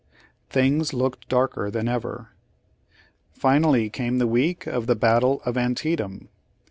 Things looked darker than ever. Finally, came the week of the battle of Antietam.